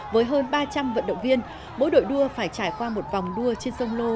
với hơn ba trăm linh vận động viên mỗi đội đua phải trải qua một vòng đua trên sông lô